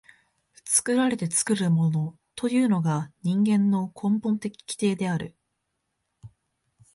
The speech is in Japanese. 作られて作るものというのが人間の根本的規定である。